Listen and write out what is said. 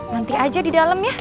nanti aja di dalam ya